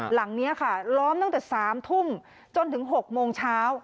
หลังนี้ค่ะล้อมตั้งแต่๓ทุ่มจนถึง๖โมงเช้า